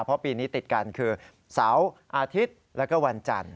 เพราะปีนี้ติดกันคือเสาร์อาทิตย์แล้วก็วันจันทร์